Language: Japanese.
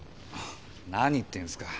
何言ってるんですか？